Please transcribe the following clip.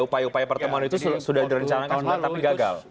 upaya upaya pertemuan itu sudah direncanakan benar tapi gagal